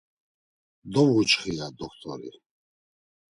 Dovuçxi, ya t̆oxt̆ori.